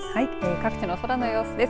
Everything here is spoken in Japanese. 各地の空の様子です。